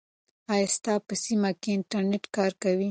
آیا ستا په سیمه کې انټرنیټ کار کوي؟